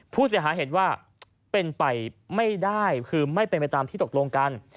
ผู้เสียหายเห็นว่าเป็นไปไม่ได้คือไม่เป็นไปตามที่ตกลงกัน